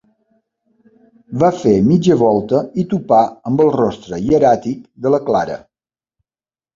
Va fer mitja volta i topà amb el rostre hieràtic de la Clara.